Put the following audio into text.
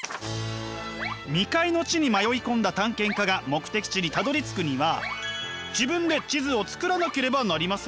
未開の地に迷い込んだ探検家が目的地にたどりつくには自分で地図を作らなければなりません。